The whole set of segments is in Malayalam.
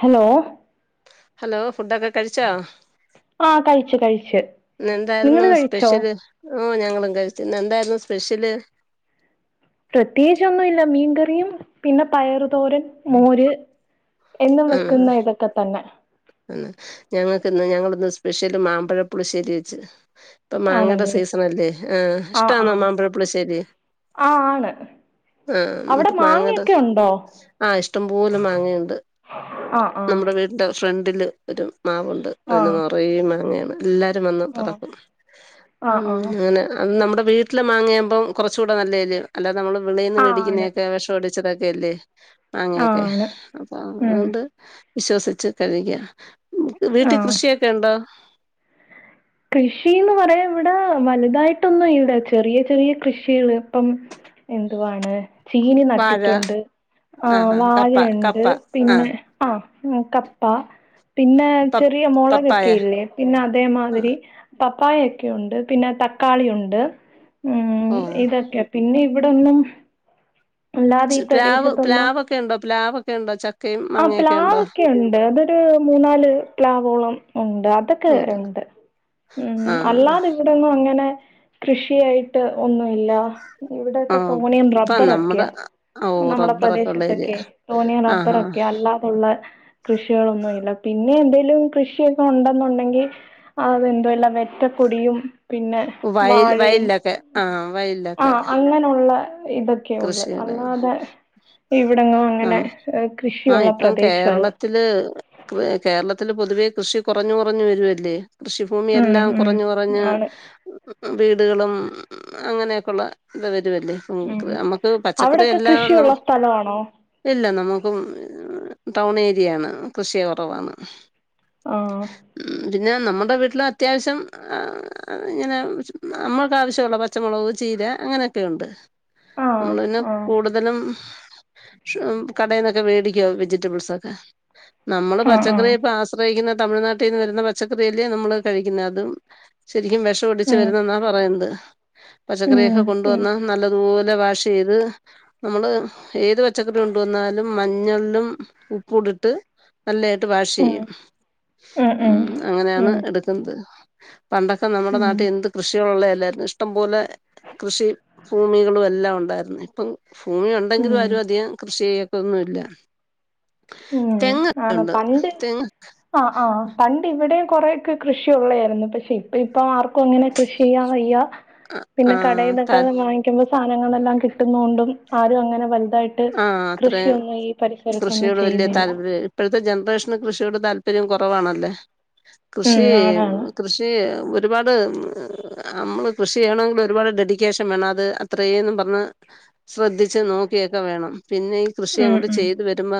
ഹലോ ഹലോ ഫുഡൊക്കെ കഴിച്ചോ ആഹ് കഴിച്ചു കഴിച്ചു ഇന്നെന്താരുന്നു സ്പെഷ്യല് ഓഹ് ഞങ്ങളും കഴിച്ച് ഇന്നെന്താരുന്നു സ്പെഷ്യല് പ്രത്യേകിച്ചൊന്നുല്ല മീൻകറിയും പിന്നെ പയറ് തോരൻ മോര് എന്നും വെക്ക്ന്ന ഇതൊക്കെതന്നെ അന്നോ ഞങ്ങക്ക്ന്ന് ഞങ്ങള്ന്ന് സ്പെഷ്യല് മാമ്പഴപ്പുളിശ്ശേരി വെച്ച് ഇപ്പൊ മാങ്ങടെ ആണല്ലേ സീസണല്ലേ ആഹ് ഇഷ്ട്ടാണോ മാമ്പഴപ്പുള്ളിശ്ശേരി ആഹ് ആണ് ഉം അവിടെ ഇപ്പൊ മാങ്ങടെ മാങ്ങയൊക്കെ ഉണ്ടോ ആഹ് ഇഷ്ട്ടംപോലെ മാങ്ങണ്ട് ആഹ് ആഹ് നമ്മുടെ വീട്ട് ഫ്രണ്ടില് ഒരു മാവുണ്ട് അയില് ആഹ് നെറേ മങ്ങേണ് എല്ലാരും വന്ന് പെറക്കും ആഹ് ഉം ആഹ് ആഹ് അങ്ങനെ അൻ നമ്മുടെ വീട്ടില് മാങ്ങിയാമ്പം കുറച്ചുടെ നല്ലേല്ലെ അല്ലാതെ നമ്മള് വെളീന്ന് ആഹ് ആണ് വേടിക്കുന്നൊക്കെ വെഷടി ച്ചതൊക്കെല്ലേ ആഹ് മാങ്ങെക്കെ ആണ് അപ്പൊ ഉം അതോണ്ട് വിശ്വസിച്ച് കഴിക്കാം വീട്ടി ആഹ് കൃഷിയൊക്കെ ഉണ്ടോ കൃഷിന്ന് പറയാ ഇവിടെ വലുതായിട്ടൊന്നും ഇല്ല ഇവിടെ ചെറിയ ചെറിയ കൃഷികള് ഇപ്പം എന്തുവാണ് ചീനി വാഴ നട്ടിട്ടുണ്ട് ആ ആഹ് ഹാ കപ്പ വാഴയുണ്ട് കപ്പ ആ പിന്നെ അഹ് ഉം കപ്പ പിന്നെ പ ചെറിയ പപ്പായ മുളകൊക്കെ ഇല്ലേ പിന്നെ ആ അതേമാതിരി പപ്പായൊക്കെയുണ്ട് പിന്നെ തക്കാളി ഉണ്ട് ഉം ഓ ഇതൊക്കെ പിന്നെ ഇവിടൊന്നും അല്ലാതെ ഈ ച്ച് പ്ലാവ് പ്രദേശത്തൊന്നും പ്ലാവോക്കെ ഉണ്ടോ പ്ലാവ് ഒക്കെ ഉണ്ടോ ച ആഹ് പ്ലാവ്ക്കെ ഉണ്ട് അതൊരു മൂന്നാല് പ്ലാവോളം ഉണ്ട് അതൊക്കെ ഉണ്ട് ഇണ്ട് ഉം ആ അല്ലാതെ ഇവിടെങ്ങും അങ്ങനെ കൃഷിയായിട്ട് ഒന്നുല്ല ആ ഇവിടെക്കെ തോനേം ഇപ്പം റബ്ബർ നമ്മുടെ ഒക്കെയാ ഓ നമ്മുടെ റബ്ബറൊക്കെ ഉള്ള ഏരിയ പ്രദേശത്തൊക്കെ തോനേം ആ ഹാ റബ്ബറോക്കെയാ അൽ അല്ലാതുള്ള കൃഷികളൊന്നുല്ല പിന്നെ എന്തേലും കൃഷിയൊക്കെ ഉണ്ടെന്നുണ്ടെങ്കിൽ അത് എന്തോല്ല റ്റ കൊടിയും പിന്നെ വയൽ വാഴേം വയലിലൊക്കെ ആ വയലിലൊക്കെ ആഹ് അങ്ങ ഉള്ള ഇതൊക്കെ ഉള്ളത് കൃഷികൾ അല്ലാതെ ഇവിടെങ്ങും അങ്ങനെ ഏ ആഹ് ഇപ്പം കേരള ത്തില് കേരളത്തില് പൊതുവേ കൃഷി കുറഞ്ഞു കുറഞ്ഞു വരുവല്ലേ ഉം കൃഷിഭൂമിയെല്ലാം ഉം കുറഞ്ഞ് കുറഞ്ഞ് ആണ് വീടുകളും അങ്ങനെക്കെള്ള ഇത് വരുവല്ലേ ഉം നമുക്ക് പച്ചക്കറി അവിടൊക്കെ എല്ലാം ന കൃഷിയുള്ള സ്ഥലവാണോ ഇല്ല നമുക്കും ടൗൺ ഏരിയാണ് കൃഷി കുറവാണ് ആഹ് ഉം പിന്നെ നമ്മടെ വീട്ടില് അത്യാവശ്യം ഇങ്ങനെ നമ്മൾക്കാവശ്യള്ള പച്ചമുളക് ചീര അങ്ങനെയൊക്കെയുണ്ട് ആഹ് നമ്മള് പിന്നെ ആഹ് കൂടുത തലും കടേന്നൊക്കെ മേടിക്കാ വെജിറ്റബിൾസൊക്കെ നമ്മള് ആഹ് പച്ചക്കറി ആഹ് ഇപ്പൊ ആസ് യിക്കുന്ന തമിഴ്നാട്ടീന്ന് വരുന്ന പച്ചക്കറിയല്ലേ നമ്മള് കഴിക്കുന്നത് അതും ശരിക്കും വിഷം അടിച്ച് ഉം വരുന്നന്നാ പറയ്ണ്ട്. ഉം പച്ചക്കറിയൊക്കെ കൊണ്ട് ഉം വന്ന നല്ലതുപോലെ വാഷ് ചെയ്ത് നമ്മള് ഏത് പച്ചക്കറി കൊണ്ട് വന്നാലും മഞ്ഞളിലും ഉപ്പ് ട്ട് നല്ലായിട്ട് വാഷ് ഉം ചെയ്യും, ഉം ഉം മ് അങ്ങനെയാണ് ഉം എടുക്കുന്നത്. പണ്ടൊക്കെ നമ്മടെ നാട്ടിൽ ഉം എന്ത് കൃഷി ഉള്ളയല്ലായിര്ന്നു ഇഷ്ടംപോലെ കൃഷി ഭൂമികളും എല്ലാം ഉണ്ടായിരുന്നു. ഇപ്പം ഭൂമി ഉണ്ടെങ്കിലും ഉം ആരും അധികം കൃഷി ചെയ്യത്തൊന്നുല്ല. ഉം തെങ്ങ് ആണ് ഒക്കെയുണ്ട് പണ്ട് തെങ്ങ് ആഹ്, ആഹ് പണ്ട് ഇവിടെയും കൊറെക്കെ കൃഷിയള്ളതായിരുന്നു പക്ഷെ ഇപ്പ ഇപ്പ ആർക്കും അങ്ങനെ കൃഷി ചെയ്യാൻ വയ്യ. ആ പിന്നെ ത കടെന്നൊക്കെ വാങ്ങിക്കുമ്പോ സാധനങ്ങളെല്ലാം കിട്ടുന്ന കൊണ്ടും ആരും അങ്ങനെ വലുതായി ട്ട് കൃഷിയൊന്നും ഈ പരിസരത്ത് ഒന്ന് ട് വല്ല്യ താല്പര്യം ഇപ്പഴത്തെ ജനറേഷന് കൃഷിയോട് താല്പര്യം കുറവാണല്ലേ. ഉം കൃഷി ആണാണ് കൃഷി ഒരുപാട് നമ്മള് കൃഷി ചെയ്യണമെങ്കിൽ ഒരുപാട് ഡെഡിക്കേഷൻ വേണം അത് അത്രെന്നും പറഞ്ഞ് ശ്രദ്ധിച്ച് നോക്കിയൊ ക്കെ വേണം. പിന്നെ ഈ കൃഷി ഉം അങ്ങോട്ട് ഉം ചെയ്ത് വരുമ്പോ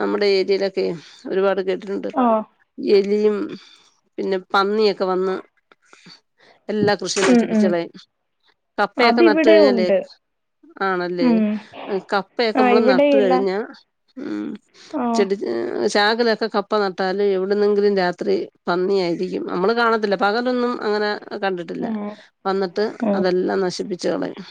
നമ്മുടെ ഏരിയയിലൊക്കെ ഒരുപാട് [unintelligible] ണ്ട് ആഹ് എലിയും പിന്നെ പന്നിയൊക്കെ വന്ന് എല്ലാ കൃഷിയും ഉം നശിപ്പിച്ച് ഉം കളയും. കപ്പയൊക്കെ നട്ടു അതിവിടെ കഴിഞ്ഞാലേ ഉണ്ട് ആണല്ലേ ഉം ആഹ് കപ്പയൊക്കെ ആഹ് നമ്മള് നട്ട് ഇവിടെയില്ല കഴിഞ്ഞ മ് ആഹ് ചെടി ഏഹ് ചാക്കിലൊക്കെ കപ്പ നട്ടാല് എവിടുന്നെങ്കിലും രാത്രി പന്നി ആയിരിക്കും, നമ്മള് കാണത്തില്ല പകലൊന്നും അങ്ങനെ കണ്ടിട്ടില്ല ഉം വന്നിട്ട് ഉം അതെല്ലാം നശിപ്പിച് കളയും.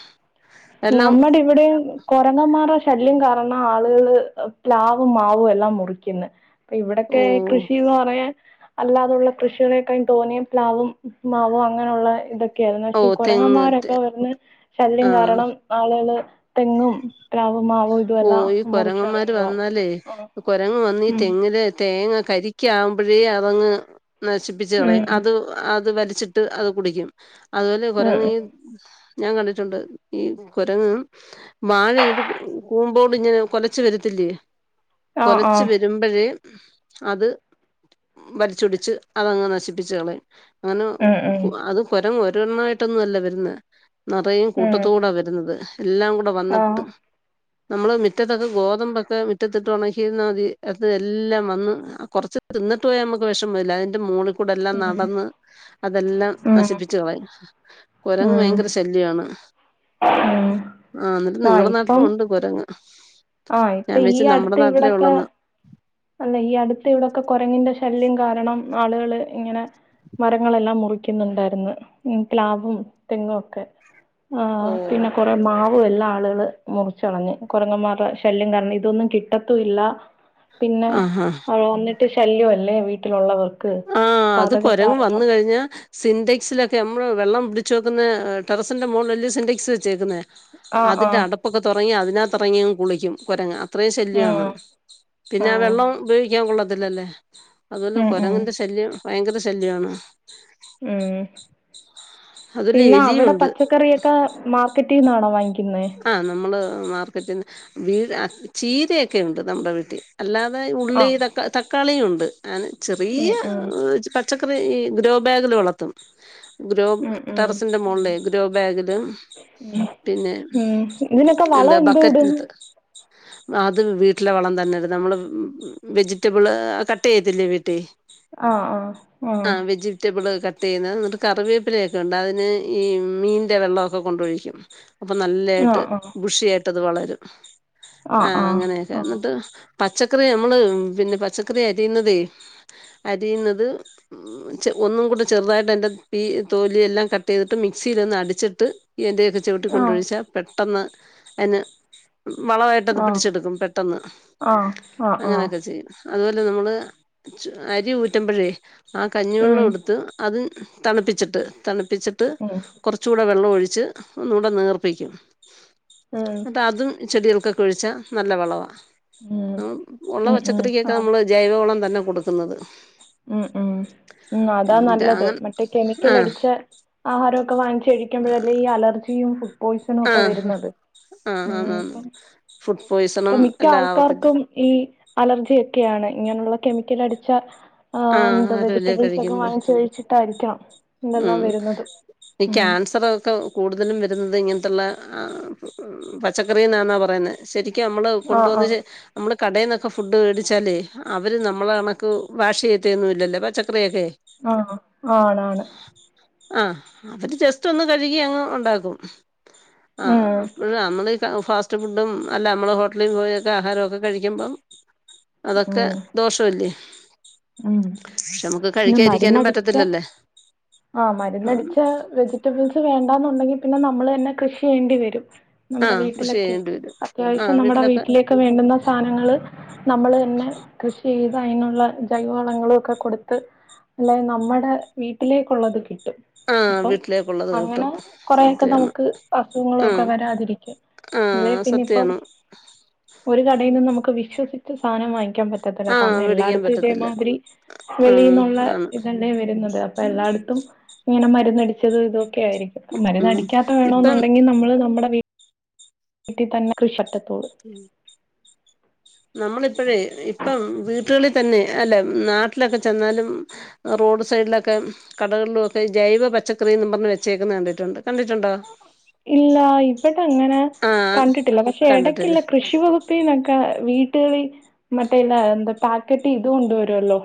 എല്ലാം നമ്മടെ ഇവ വിടെയും കൊരങ്ങൻമാരെ ശല്യം കാരണം ആളുകള് പ്ലാവും മാവും എല്ലാം മുറിക്ക്ന്നെ. ഇപ്പൊ ഓ ഇവിടെക്കെ കൃഷി എന്ന് പറയാൻ അല്ലാതുള്ള കൃഷികളെ കായും തോനെയും പ്ലാവും മാവും അങ്ങനെയുള്ള ഇതൊ ഒക്കെയായിരുന്നു. ഓ പക്ഷെ ഈ തെങ്ങ് കുരങ്ങന്മാരൊക്കെ വന്ന് ശല്യം ആ കാരണം ആളുകള് തെങ്ങും പ്ലാവും മാവും ഇതുമെല്ലാം ഓഹ്, ഈ മുറിച്ച് കൊരങ്ങന്മാര് കളയുവാ. വന്നാലേ ആഹ് കൊരങ്ങ് വന്ന് ഈ ഉം തെങ്ങില് തേങ്ങ കരിക്ക് ആകുമ്പോഴേ അതങ്ങ് നശിപ്പിച് കളയും ഉം അത് അത് വലിച്ചി ട്ട് അത് കുടിക്കും. അതുപോലെ ഉം കുരങ്ങ് ഈ ഉം ഞാൻ കണ്ടിട്ടുണ്ട് ഈ കുരങ്ങ് വാഴ ഇങ്ങട്ട് കൂമ്പോട് ഇങ്ങനെ കുലച്ച് വരത്തില്ലേ ആഹ് കുലച്ച് ആഹ് വരുമ്പോഴേ അത് വലിച്ചൊടിച്ച് അതങ്ങ് നശിപ്പിച്ചു കളയും. അങ്ങനെ ഉം ഉം അത് കൊരങ്ങ് ഒരണ്ണായിട്ടൊന്നും അല്ല വരുന്നേ നിറയെ ഉം കൂട്ടത്തോടെ ആണ് വരു രുന്നത് എല്ലാം കൂടെ വന്നിട്ട് ആഹ് നമ്മള് മുറ്റത്തൊക്കെ ഗോതമ്പൊക്കെ മുറ്റത്തിട്ട് ഉണക്കിരുന്ന മതി അത് എല്ലാം വന്ന് കുറച്ച് തിന്നിട്ട് പോയാ നമുക്ക് വിഷമം ഇല്ല അതിന്റെ മോള് കൂടെ എല്ലാം ഉം നടന്ന് അതെല്ലാം ഉം നശിപ്പിച്ചു കളയും. കുരങ്ങ് ഭയങ്കര ഉം ശല്ല്യാണ്. ഉം ആ ഇന്നിട്ട് ആഹ് നിങ്ങള നാട്ട് ഇപ്പം കുരങ്ങ് ആഹ് ഞാൻ ഇപ്പൊ ഈ വിചാരിച്ച് നമ്മുടെ അടുത്ത് നാട്ടിലേ ഇവിടൊക്കെ ഉള്ളന്ന് അല്ല ഈ അടുത്ത് ഇവിടെക്കെ കൊരങ്ങിന്റെ ശല്യം കാരണം ആളുകള് ഇങ്ങനെ മരങ്ങളെല്ലാം മുറിക്കുന്നുണ്ടായിരുന്നു. ഉം, പ്ലാവും തെങ്ങും ഒക്കെ. ഓ ആഹ് പിന്നെ കൊറെ മാവും എല്ലാ ആളുകള് മുറിച്ച് കളഞ്ഞു. കുരങ്ങന്മാരുടെ ശല്യം കാരണം ഇതൊന്നും കിട്ടത്തൂല്ല. പിന്നെ ആ ഹാ വന്നിട്ട് ശല്യ അല്ലേ വീട്ടിലുള്ളവർ ആഹ്, അത് കൊരങ്ങ് വന്ന് കഴിഞ്ഞ സിന്റക്സിലൊക്കെ. നമ്മള് വെള്ളം പിടിച്ച് വെക്കുന്ന ടെറസിന്റെ മോളിലല്ലേ സിന്റക്സ് വെച്ചേക്കുന്നേ. ആഹ് അതിന്റെ ആഹ് അടപ്പൊക്കെ തുറങ്ങി അതിനകതറങ്ങിയങ്ങ് കുളിക്കും. കുരങ്ങ. അത്രേം ശല്യാണ്. ഉം പിന്നെ ആഹ് വെള്ളം ഉപയോഗിക്കാൻ കൊള്ളത്തില്ലല്ലേ. അതല്ലെ ഉം ഉം കൊരങ്ങന്റെ ശ ശല്യം വയങ്കര ശല്യാണ്. ഉം. അതുപോലെ പിന്നെ അവിടെ എലിയുണ്ട് പച്ചക്കറിയൊക്കെ മാർക്കറ്റീന്നാണോ വാങ്ങി - ആഹ്. നമ്മള് മാർക്കറ്റിന്ന് വീട് ചീരയൊക്കണ്ട് നമ്മുടെ വീട്ടിൽ. അല്ലാതെ ഉള്ളി ആഹ് ത തക്കാളിയുണ്ട്. അന് ചെറിയ ഉം ഉം പ പച്ചക്കറി ഈ ഗ്രോ ബാഗിൽ വളർത്തും. ഗ്രോ ഉം ഉം ടെറസിന്റെമോളില് ഉം ഗ്രോ ബാഗില്. ഉം പിന്നെ ഉം ഇതിനൊക്കെ എന്താ വളം എന്തോ ഇടും? ബക്കറ്റ്നത്ത്. അത് വീട്ടിലെ വളം തന്നെ. നമ്മള് വെജിറ്റബിള് കട്ടെയ്യത്തില്ലേ വീട്ടിൽ ആഹ് ആഹ് ഉം. റ്റബിള് കട്ട് ചെയ്യുന്നത്. എന്നിട്ട് കറിവേപ്പിലൊക്കെ ഉണ്ട് അതിന് ഈ മീൻ്റെ വെള്ളമൊക്കെ കൊണ്ടൊഴിക്കും. അപ്പൊ നല്ലായിട്ട് ആഹ് ബുഷിയായിട്ടത് വളരും. ആഹ് അങ്ങനെ. ഏഹ് ന്നട്ട് പച്ചക്കറി നമ്മള് പിന്നെ പച്ചക്കറി അരിയുന്നതേ അരിയുന്നത് ഉം ച്ചെ ഒന്നും കൂടെ ചെറുതായിട്ട് എൻ്റെ പീ തൊലി എല്ലാം കട്ടെയ്തിട്ട് മിക്സിൽ ഒന്ന് അടിച്ചിട്ട് ഇതേത് ആഹ് ച്ചൊട്ടിക്കൊണ്ടൊഴിച്ചാ പെട്ടന്ന് അന് വളമായിട്ടത് ആഹ് പിടിച്ചെടുക്കും. പെട്ടെന്ന്. ആഹ് ആഹ് ആഹ് ആഹ് ആഹ് ആഹ് അങ്ങനെയൊക്കെ ചെയ്യും. അതുപോലെ നമ്മള് അരി ഊറ്റ്മ്പോഴെ ആഹ് ഉം കഞ്ഞിവെള്ളം എടുത്ത് അതും. തണുപ്പിച്ചിട്ട്. തണുപ്പിച്ചിട്ട് ഉം കൊറച്ചൂടെ വെള്ളൊഴിച്ച് ഒ ടെ നേർപ്പിക്കും. ഉം ന്നട്ടതും ചെടികൾകൊക്കെ ഒഴിച്ചാ നല്ല വളവാ. ഉം നമ്മൾ ഉള്ള ഉം ഉം പച്ചക്കറിക്കൊക്കെ ആണ് നമ്മള് ജൈവവളം തന്നെ കൊടുക്കുന്നത്. ഉം ഉം ഉം അതാ എന്നിട്ട് നല്ലത്. അങ്ങനെ മറ്റേ കെമിക്കൽ ആ അടിച്ച ആഹാരക്കെ വാങ്ങിച്ച്കഴിക്കുമ്പഴല്ലേ ഈ അലർജിയും പു ആ പോയ്സണൊക്കെ വരുന്നത്. ആ ഉം ആന്നാന്ന് ഫുഡ് ഇപ്പ പോയ്സണും മിക്ക എല്ലാം ആവത്തില്ലേ ആൾക്കാർക്കും. ഈ അലർജിയൊക്കെയാണ്. ഇങ്ങനുള്ള കെമിക്കൽ അടിച്ച ആ ആഹ് ന്താ ആരോല്യ വെജിറ്റബിൾസൊക്കെ കഴിക്കുന്നത് വാങ്ങിച്ച് കഴിച്ചിട്ടായിരിക്കണം ഇതെല്ലാം ഉം വരുന്നത്. ഈ ഉം ക്യാൻസറൊ ക്കെ കൂടുതലും വരുന്നത് ഇങ്ങനത്തുള്ള ആഹ് പച്ചക്കറി ന്നാന്നാ പറയുന്നത്. ശരിക്കും നമ്മള് ആ കൊണ്ട് ആ വന്ന് നമ്മള് കടെന്നൊക്കെ ഫുഡ് മേടിച്ചാലേ അവര് നമ്മളെ കണക്ക് വാഷ് ചെയ്യെന്നുല്ലല്ലോ. പച്ചക്കറിയൊക്കെ. ആഹ് ആണാണ്. ആഹ് അവര് ജസ്റ്റ് ഒന്ന് കഴുകി അങ്ങ് ഉണ്ടാക്കും. ആഹ് ഉം ഇപ്പോള് നമ്മളീ ഫാസ്റ്റ് ഫുഡും അല്ല നമ്മള് ഹോട്ടലിൽ പോയൊക്കെ ആഹാരക്കെ കഴിക്കുമ്പം അതൊക്കെ ഉം ദോഷവല്ലേ. ഉം പക്ഷെ നമുക്ക് പിന്നെ കഴിക്കാതിരിക്കാനും മരുന്നടിച്ച. പറ്റത്തില്ലല്ലേ ആഹ് മരുന്നടിച്ച ഏഹ്. വെജിറ്റബിൾസ് വേണ്ടാന്നുണ്ടെങ്കി പിന്നെ നമ്മൾ തന്നെ കൃഷി ചെയ്യേണ്ടി വരും. നമ്മുടെ ആഹ് കൃഷി വീട്ടിലൊക്കെ. ചെയ്യേണ്ടി വരും അത്യാവശ്യം ആഹ് നമ്മുടെ വീട്ടിലൊക്കെ വീട്ടിലേ ക്ക് വേണ്ടുന്ന സാനങ്ങള് നമ്മള് തന്നെ കൃഷി ചെയ്ത് അയിനുള്ള ജൈവവളങ്ങളും ഒക്കെ കൊടുത്ത്. അല്ല നമ്മുടെ വീട്ടിലേക്കുള്ളത് കിട്ടും. ആഹ് ഇപ്പം വീട്ടിലേക്കുള്ളത് അങ്ങനെ കിട്ടും കൊറെയൊക്കെ സത്യാണ് നമുക്ക് ആഹ് അസുഖങ്ങളൊക്കെ വരാതിരിക്കും. അല്ലേ ആഹ് പിന്നെ പ്പം. സത്യാണ് ഒരു കടയിൽന്നും നമുക്ക് വിശ്വസിച്ച് സാനം വാങ്ങിക്കാൻ പറ്റത്തില്ല ആഹ് കാരണം വേടിക്കാൻ എല്ലായിടത്തും പറ്റത്തില്ല അതേമാതിരി ഉം വെളിയിന്നുള്ള ആണ് ഇതല്ലേ വരുന്നത് അപ്പൊ എല്ലാട്ത്തും ഇങ്ങനെ മരുന്നടിച്ചത് ഇതൊക്കെ ആയിരിക്കും ഉം മരുന്നടിക്കാത്ത ഇപ്പം വേണന്നുണ്ടെങ്കിൽ നമ്മള് നമ്മുടെ വീട്ടിൽ തന്നെ കൃഷ [unintelligible] ഉം നമ്മളിപ്പോഴേ ഇപ്പം വീട്ടുകളിൽ തന്നെ അല്ല നാട്ടിലൊക്കെ ചെന്നാലും റോഡ് സൈഡിലൊക്കെ കടകളിലുംക്കെ ജൈവ പച്ചക്കറിന്ന് പറഞ് വെച്ചേക്കുന്ന കണ്ടിട്ടുണ്ട് കണ്ടിട്ടുണ്ടോ ഇല്ല ഇവിടെ അങ്ങനെ ആഹ് കണ്ടിട്ടില്ല പക്ഷെ കണ്ടിട്ടില്ലേ എടക്കുള്ള കൃഷി വകു പിന്നൊക്കെ വീട്ടുകളിൽ മറ്റേല്ല എന്താ പാക്കറ്റ് ഇത് കൊണ്ട് വരുല്ലോ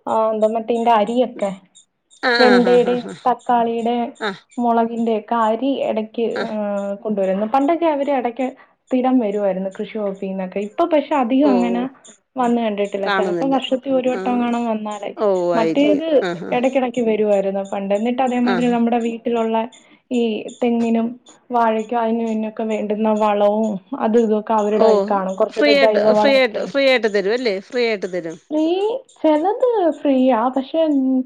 [unintelligible] പിന്നെഅരിയൊക്കെ ആഹ് ആഹ് ആഹ് വെണ്ടയുടെ ആഹ് തക്കാളിയുടെ ആഹ് മുളകിന്റെ കാ ഇടക്ക് ആഹ് ആ ആഹ് കൊണ്ടുവരു വായിരുന്നു പണ്ടൊക്കെ അവര് ഇടയ്ക്ക് സ്ഥിരം വരുവായി രുന്നു കൃഷി വകുപ്പിന്നൊക്കെ ഇപ്പൊ പക്ഷെ അധികം അങ്ങനെ ഓഹ് വന്ന കണ്ടിട്ടില്ല ചിലപ്പോ കാണുന്നില്ല വർഷത്തിൽ ഒരു വട്ടം ആഹ് കാണാൻ വന്നാലേ ഓഹ് ആയിരിക്കും മറ്റേത് ആഹ് ഇടക്കിട ക്ക് വരുവായിരുന്നു പണ്ടെന്നിട്ട് അതേമാതിരി ആഹ് നമ്മുടെ വീട്ടിലുള്ള ഈ തെങ്ങിനും വാഴക്കും അതിനുന്നൊക്കെ വേണ്ടുന്ന വളവും അത് ഇതും ഓ ഫ്രീയായിട്ട് ഫ്രീയായിട്ട് ഫ്രീ ആയിട്ട് തരും അല്ലേ ഫ്രീ ആയിട്ട് തരും ഫ്രീചിലത് ഫ്രീ ആ പക്ഷെ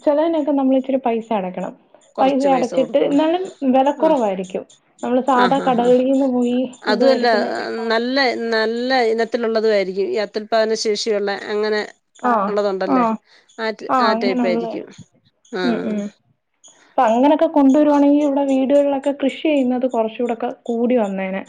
ചെലതിനനൊക്കെ നമ്മൾ ഇച്ചിരി പൈസ അടക്കണം പൈസ കൊറച്ച് അടച്ചിട്ട് കൊടുക്കണം എന്നാലും വില ആ കുറവായിരിക്കും നമ്മള് സാധാ ആഹ് ആഹ് ആഹ് കടകളിൽ നിന്ന് പോയി ഇത് അതുമല്ല എടുക്കുന്നതിനേക്കാളും നല്ല നല്ല ഇനത്തിലുള്ളതു ആരിക്കും ഈ അതുൽ പാദന ശേഷിയുള്ള അങ്ങനെ ആഹ് ഉള്ളതുണ്ടല്ലേ ആഹ് ആഹ് ആഹ് ടൈപ്പ ആയിരിക്കും ഉം ആഹ് ഉം അപ്പൊ അങ്ങനെയൊക്കെ കൊണ്ടുവരുവാണെങ്കിൽ ഇവിടെ വീടുകളിലൊക്കെ കൃഷി ചെയ്യുന്നത് കുറച്ചുകൂടൊക്കെ കൂടി വന്നേനെ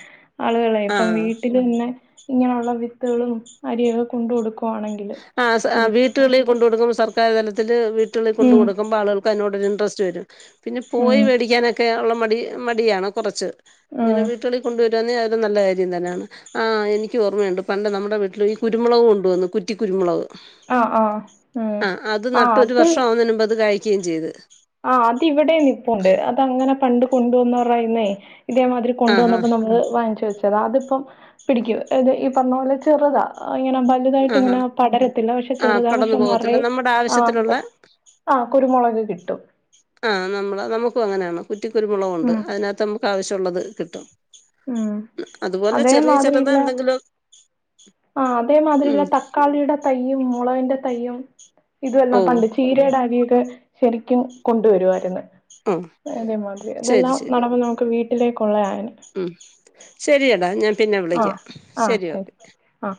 ആളുകളെ ഇപ്പം ആഹ് വീട്ടിൽ തന്നെ ഇങ്ങനെയുള്ള വിത്തുകളും അരിയൊക്കെ കൊണ്ടു കൊടുക്കും പോണെങ്കില് ആ ആ വീട്ടുകളിൽ കൊണ്ട് കൊടുക്ക്പോ സർക്കാര് തലത്തില് വീട്ടുകളിൽ കൊണ്ട് ഉം കൊടുക്കുമ്പോൾ ആൾക്ക് അതിനോരു ഇൻട്രസ്റ്റ് വരും പിന്നെ പോയി ഉം മേടിക്കാനൊക്കെ ഉള്ള മടി മടിയാണ് കുറച്ച് ഇങ്ങനെ ഉം വീട്ടിൽ കൊണ്ടുവര അത് നല്ല കാര്യം തന്നെയാണ് ആ എനിക്ക് ഓർമ്മയുണ്ട് പണ്ട് നമ്മുടെ വീട്ടിൽ ഈ കുരുമുളക് കൊണ്ടുവന്നു കുറ്റി കുരുമുളക് ആഹ് ആഹ് ഉം ആഹ് അത് ആഹ് നട്ട് ഒരു അത് വർഷം ആവുന്നതിന് മുമ്പ് അത് കായ്ക്കുകയും ചെയ്ത് ആഹ് അത് ഇവിടെ നിപ്പുണ്ട് അത് അങ്ങനെ പണ്ട് കൊണ്ടുവന്നവർടെകൈയ്യിന്നേ ഇതേമാതിരി ആഹ് കൊണ്ടുവന്നപ്പോ നമ്മള് വാങ്ങിച്ചു വെച്ചത അതിപ്പം പിടിക്കും ഈ പറഞ്ഞ പോലെ ചെറുതാ ആഹ് ഇങ്ങനെ വലുതായിട്ട് ആഹ് ആഹ് ഇങ്ങനെ പടരത്തില്ല പക്ഷെ ആഹ് ചെറുതാ പടർന്നു പക്ഷെ പോകത്തില്ല നിറയ നമ്മുടെ ആ ആവശ്യത്തിനുള്ള എന്താ ആഹ് കുരുമുളക് കിട്ടും ആഹ് നമ്മള നമുക്കും അങ്ങനെയാണ് കുറ്റിക്കുരുമുളക് ഉണ്ട് ഉം അതിനകത്ത് നമുക്ക് ആവശ്യമുള്ളത് കിട്ടും ഉം അതുപോലെ ചെറിയ ചെറുതാ എന്തെങ്കിലോ ആ അതേമാതിരിയല്ല തക്കാളിയുടെ തയ്യും മുളകിന്റെ തയ്യും ഓ ഇതവല്ലാം പണ്ടിച്ചു ചീരയുടെ അരിയൊക്കെ ശരിക്കും കൊണ്ടുവരുവായിരുന്നു ഓ അതേമാതിരി ശരി ഇതെല്ലാം നടമ്പൾ നമുക്ക് വീട്ടിലേക്കുള്ള ആയേനെ ഉ ശരിയടാ ഞാൻ പിന്നെ ആ വിളിക്കാം ശരി ഓക്കെ ആ